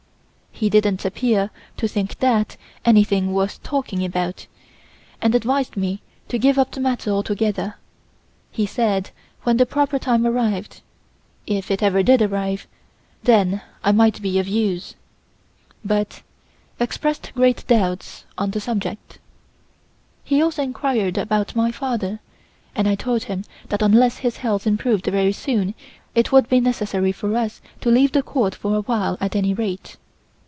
He didn't appear to think that anything worth talking about, and advised me to give up the matter altogether. He said when the proper time arrived if it ever did arrive then I might be of use, but expressed grave doubts on the subject. He also enquired about my father and I told him that unless his health improved very soon it would be necessary for us to leave the Court for a while at any rate.